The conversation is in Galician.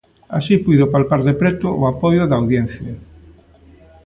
Así puido palpar de preto o apoio da audiencia.